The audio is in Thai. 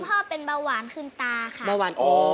คุณพ่อเป็นเบาหวานขึ้นตาค่ะ